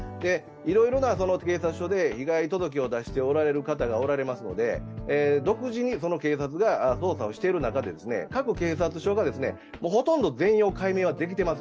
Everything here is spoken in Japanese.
いろんな警察署で被害届を出しておられる方がおられますので独自に警察が捜査している中で、各警察署がほとんど全容解明はできています。